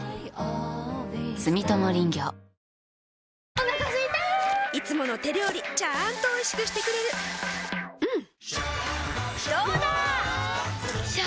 お腹すいたいつもの手料理ちゃんとおいしくしてくれるジューうんどうだわ！